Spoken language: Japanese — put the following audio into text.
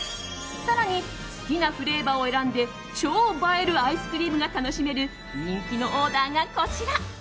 更に好きなフレーバーを選んで超映えるアイスクリームが楽しめる人気のオーダーがこちら。